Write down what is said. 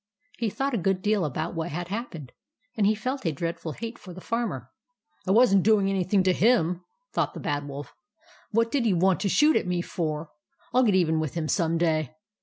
He thought a good deal about what had happened, and he felt a dreadful hate for the Farmer. " I was n't doing anything to hint" TRICKS OF THE BAD WOLF 141 thought the Bad Wolf. "What did he want to shoot at me for? I'll get even with him some day."